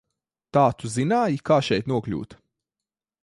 Tā tu zināji, kā šeit nokļūt?